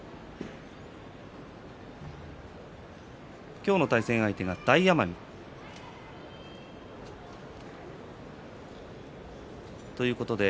今日の対戦相手は大奄美です。